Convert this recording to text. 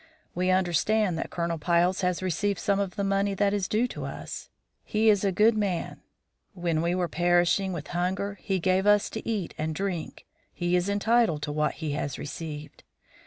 We understand that Colonel Piles has received some of the money that is due to us; he is a good man; when we were perishing with hunger he gave us to eat and drink. He is entitled to what he has received.